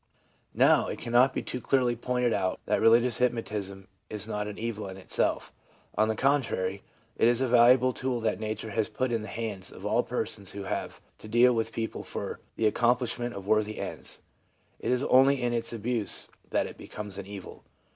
Now, it cannot be too clearly pointed out that religious hypnosis is not an evil in itself; on the contrary, it is a valuable tool that nature has put in the hands of all persons who have to deal with people for the accomplishment of worthy ends. It is only in its abuse that it becomes an evil.